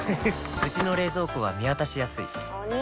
うちの冷蔵庫は見渡しやすいお兄！